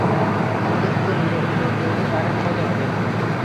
আমাদের শুধু নির্বাচন পর্যন্ত তাদের টাকা খাওয়াতে হবে।